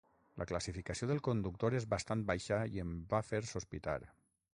La classificació del conductor és bastant baixa i em va fer sospitar.